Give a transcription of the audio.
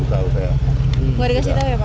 nggak dikasih tahu ya pak